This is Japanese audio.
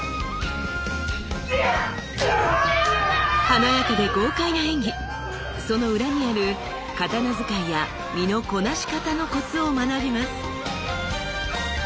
華やかで豪快な演技その裏にある刀使いや身のこなし方のコツを学びます！